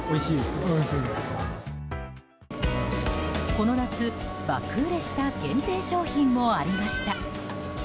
この夏、爆売れした限定商品もありました。